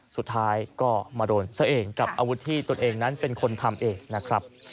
สุดท้ายก็มาโดนเสียงกับอาวุธที่ตัวเองนั้นเป็นคนทำเอง